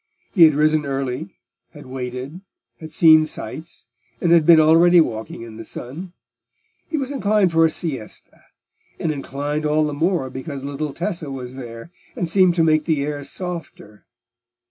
He had risen early; had waited; had seen sights, and had been already walking in the sun: he was inclined for a siesta, and inclined all the more because little Tessa was there, and seemed to make the air softer.